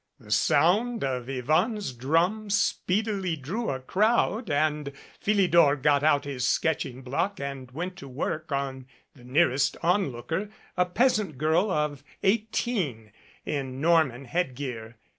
The sound of Yvonne's drum speedily drew a crowd and Philidor got out his sketching block and went to work on the nearest onlooker, a peasant girl of eight een, in Norman headgear.